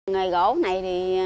ngày gỗ này